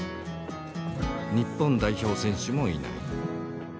日本代表選手もいない。